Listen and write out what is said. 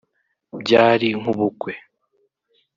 byari nk’ubukwe